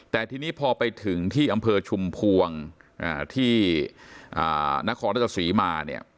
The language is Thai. แต่ทีนี้พอไปถึงที่อำเภอชุมพวงที่นครราชสีมาเนี่ย